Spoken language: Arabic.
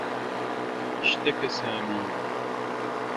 اشتكى سامي.